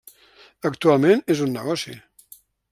Actualment és un negoci.